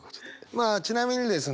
まあちなみにですね